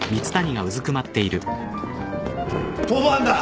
逃亡犯だ！